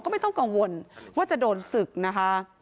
ก็ไม่ต้องกังวลว่าจะโดนศึกนะคะ